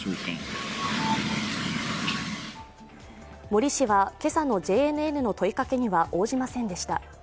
森氏は今朝のＪＮＮの問いかけには応じませんでした。